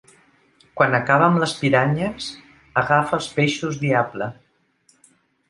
Quan acaba amb les piranyes agafa els peixos diable.